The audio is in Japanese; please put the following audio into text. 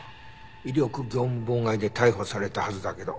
威力業務妨害で逮捕されたはずだけど。